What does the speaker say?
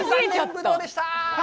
ぶどうでした！